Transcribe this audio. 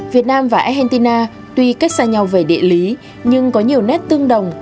việt nam và argentina tuy cách xa nhau về địa lý nhưng có nhiều nét tương đồng